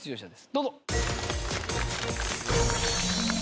どうぞ。